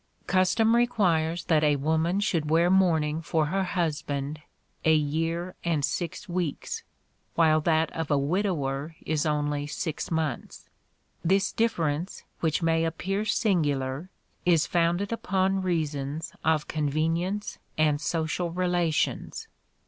Custom requires that a woman should wear mourning for her husband a year and six weeks, while that of a widower is only six months. This difference, which may appear singular, is founded upon reasons of convenience and social relations.